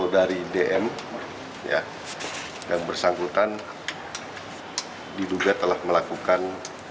dari dm yang bersangkutan diduga telah melakukan